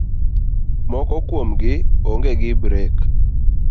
Moko kuomgi onge gi brek